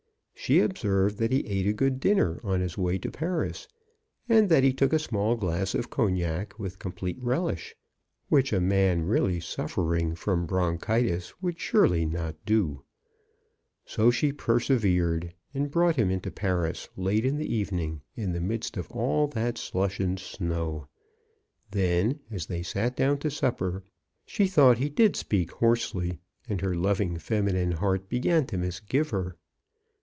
She observed that he ate a good dinner on his way to Paris, and that he took a small glass of cog nac with complete relish, which a man really suffering from bronchitis surely would not do. So she persevered, and brought him into Paris, late in the evening, in the midst of all that slush and snow. Then, as they sat down to supper, she thought he did speak hoarsely, and her loving feminine heart began to misgive her.